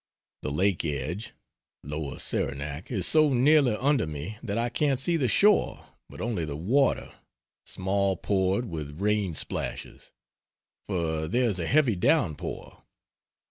The lake edge (Lower Saranac) is so nearly under me that I can't see the shore, but only the water, small pored with rain splashes for there is a heavy down pour.